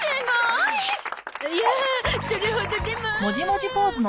いやあそれほどでも。